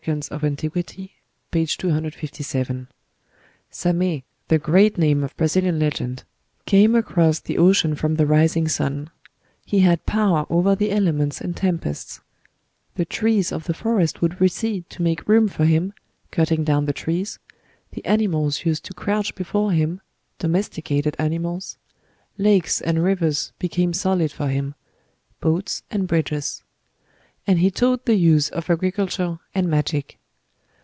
of Antiq.," p. 257.) Samé, the great name of Brazilian legend, came across the ocean from the rising sun. He had power over the elements and tempests; the trees of the forests would recede to make room for him (cutting down the trees); the animals used to crouch before him (domesticated animals); lakes and rivers became solid for him (boats and bridges); and he taught the use of agriculture and magic.